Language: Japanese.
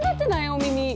お耳。